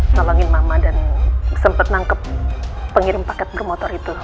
nolongin mama dan sempat nangkep pengirim paket bermotor itu